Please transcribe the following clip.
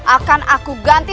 akan aku ganti